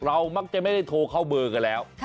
มักจะไม่ได้โทรเข้าเบอร์กันแล้ว